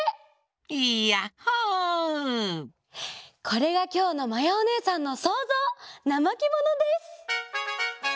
これがきょうのまやおねえさんのそうぞう「なまけもの」です。